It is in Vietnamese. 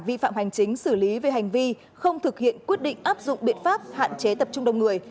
vi phạm hành chính xử lý về hành vi không thực hiện quyết định áp dụng biện pháp hạn chế tập trung đông người